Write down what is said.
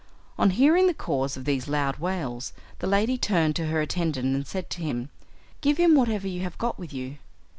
On hearing the cause of these loud wails the lady turned to her attendant and said to him, "Give him whatever you have got with you."